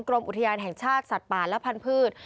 กรมอุทยานแห่งชาติสัตว์ป่าและพันธุ์